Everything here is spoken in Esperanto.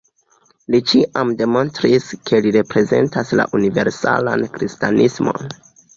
Li ĉiam demonstris, ke li reprezentas la universalan kristanismon.